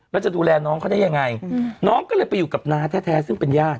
แล้วจะดูแลน้องเขาได้ยังไงน้องก็เลยไปอยู่กับน้าแท้ซึ่งเป็นญาติ